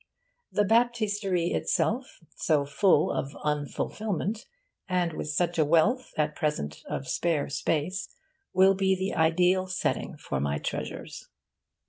The Baptistery itself, so full of unfulfilment, and with such a wealth, at present, of spare space, will be the ideal setting for my treasures.